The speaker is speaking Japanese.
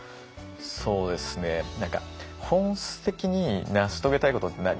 そうですね何か本質的に成し遂げたいことって何？